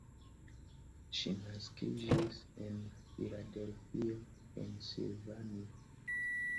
Ŝi naskiĝis en Filadelfio, Pensilvanio.